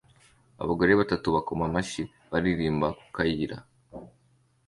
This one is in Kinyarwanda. Abagore batatu bakoma amashyi baririmba ku kayira